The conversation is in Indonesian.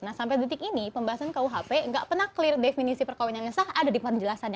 nah sampai detik ini pembahasan kuhp nggak pernah clear definisi perkawinan yang sah ada di penjelasannya